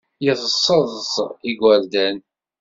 Yesseḍs igerdan.